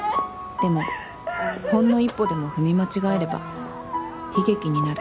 でもほんの一歩でも踏み間違えれば悲劇になる。